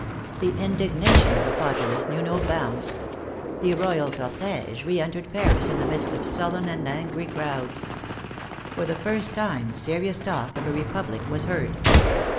The indignation of the populace knew no bounds. The royal cortege reentered Paris in the midst of sullen and angry crowds. For the first time serious talk of a Republic was heard.